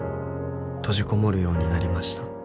「閉じこもるようになりました」